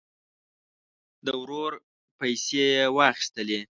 د ورور پیسې یې واخیستلې.